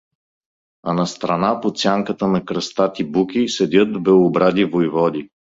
А настрана, под сянката на кръстати буки, седят белобради войводи.